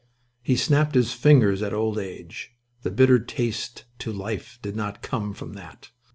He snapped his fingers at old age; the bitter taste to life did not come from that.